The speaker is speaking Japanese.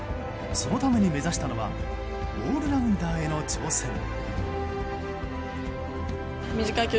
そのために目指したのはオールラウンダーへの挑戦。